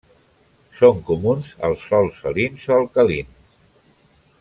Són comuns els sòls salins o alcalins.